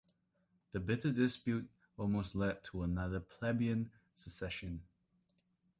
The bitter dispute almost led to another plebeian secession.